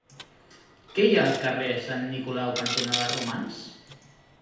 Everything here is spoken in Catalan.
Què hi ha al carrer Sant Nicolau cantonada Romans?